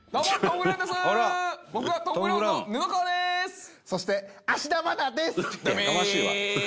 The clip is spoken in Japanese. みちお：そして、芦田愛菜です！